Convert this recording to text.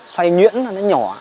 xoay nhuyễn là nó nhỏ